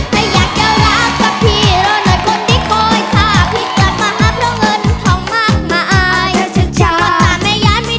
เรื่องพันธุ์อย่างเนียต้องใช้เวลา